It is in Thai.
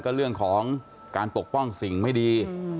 ก็เรื่องของการปกป้องสิ่งไม่ดี